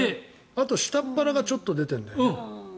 あと、下っ腹がちょっと出てるんだよね。